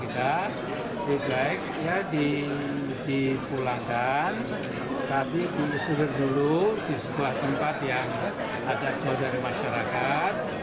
tidak diulangkan tapi disudir dulu di sebuah tempat yang agak jauh dari masyarakat